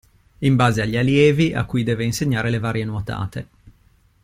In base agli allievi a cui deve insegnare le varie nuotate.